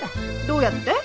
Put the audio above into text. どうやって？